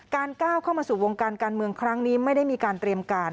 ก้าวเข้ามาสู่วงการการเมืองครั้งนี้ไม่ได้มีการเตรียมการ